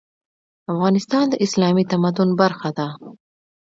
افغانستان د اسلامي تمدن برخه ده.